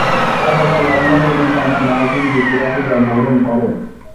তার বাবা লন্ডনে এবং তার মা মার্কিন যুক্তরাষ্ট্রে জন্মগ্রহণ করেন।